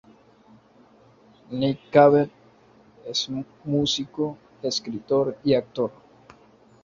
Nick Cave es un músico, escritor, y actor.